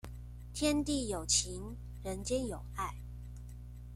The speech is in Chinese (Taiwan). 天地有情，人間有愛